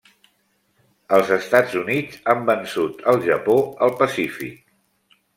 Els Estats Units han vençut el Japó al Pacífic.